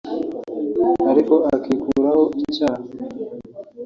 ariko akikuraho icyaha